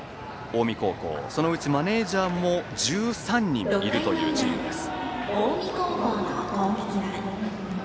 そのうちマネージャーも１３人いるというチームです。